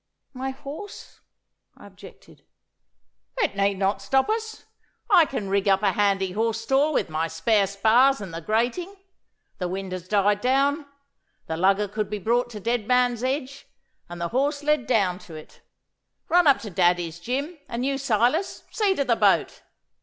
'My horse!' I objected. 'It need not stop us. I can rig up a handy horse stall with my spare spars and the grating. The wind has died down. The lugger could be brought to Dead Man's Edge, and the horse led down to it. Run up to Daddy's, Jim; and you, Silas, see to the boat.